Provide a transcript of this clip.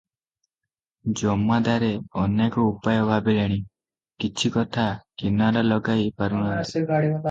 ଜମାଦାରେ ଅନେକ ଉପାୟ ଭାବିଲେଣି, କିଛି କଥା କିନାରା ଲଗାଇ ପାରୁ ନାହାନ୍ତି ।